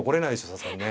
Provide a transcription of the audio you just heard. さすがにね。